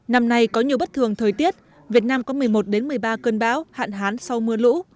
năm nay có nhiều bất thường thời tiết việt nam có một mươi một đến một mươi ba cơn bão hạn hán sau mưa lũ